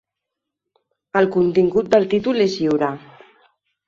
El contingut del títol és lliure.